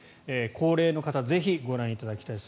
高齢の方ぜひご覧いただきたい。